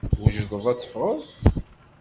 Twejdeḍ ad teffɣeḍ?